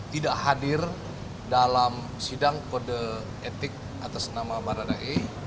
tidak hadir dalam sidang kode etik atas nama baradae